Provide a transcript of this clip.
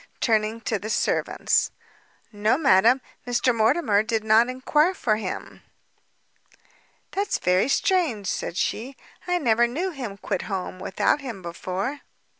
turning to the servants. "No, madam, Mr Mortimer did not enquire for him." "That's very strange," said she, "I never knew him quit home without him before."